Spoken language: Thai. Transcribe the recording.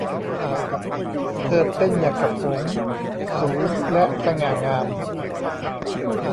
เธอเต้นอย่างกับหงส์ สูงและสง่างาม